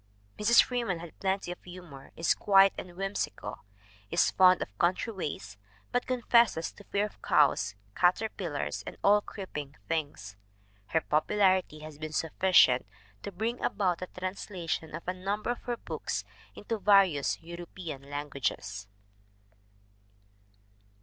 Mrs. Free man has plenty of humor, is quiet and whimsical, is fond of country ways, but confesses to fear of cows, caterpillars and all creeping things. Her popularity has been sufficient to bring about the translation of a number of her books into various European languages.